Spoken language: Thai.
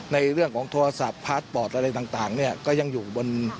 ในเรื่องของโทรศัพท์พลาสต์ปอร์ตอะไรต่างเนี่ยก็ยังอยู่บนโรงแรมนะครับ